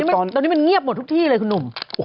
ตอนนี้มันเงียบหมดทุกที่เลยคุณหนุ่ม